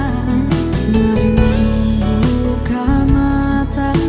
mari membuka mata